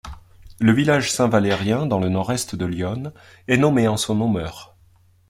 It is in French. Le village de Saint-Valérien dans le nord-est de l'Yonne est nommé en son hommeur.